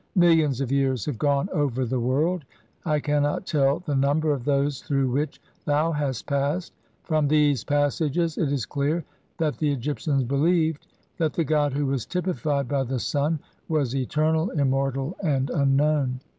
Millions of years "have gone over the world ; I cannot tell the num "ber of those through which thou hast passed." From these passages it is clear that the Egyptians believed that the god who was typified by the sun was eter nal, immortal, and unknown